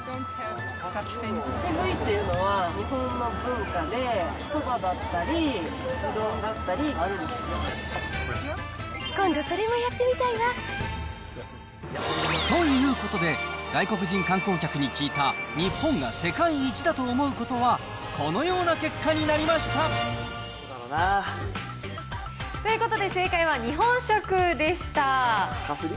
立ち食いっていうのは、日本の文化で、そばだったり、今度それもやってみたいわ。ということで、外国人観光客に聞いた日本が世界一だと思うことは、このような結ということで、かすり？